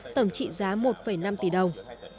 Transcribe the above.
tầm trị giá một năm tỷ đồng